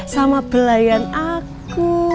sama belayan aku